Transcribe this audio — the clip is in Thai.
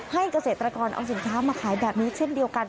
เกษตรกรเอาสินค้ามาขายแบบนี้เช่นเดียวกัน